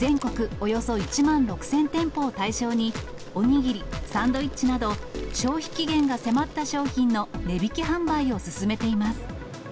およそ１万６０００店舗を対象に、お握り、サンドイッチなど、消費期限が迫った商品の値引き販売を進めています。